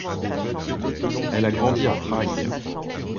Elle a grandi à Prague.